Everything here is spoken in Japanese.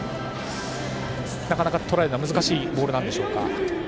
なかなかとらえるのは難しいボールなんでしょうか？